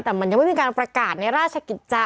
แต่มันยังไม่มีการประกาศในราชกิจจา